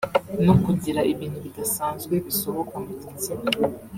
no kugira ibintu bidasanzwe bisohoka mu gitsina